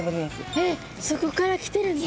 えっそこから来てるんですか。